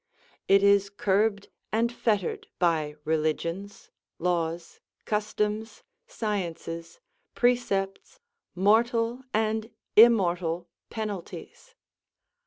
It is curbed and fettered by religions, laws, customs, sciences, precepts, mortal and immortal penalties.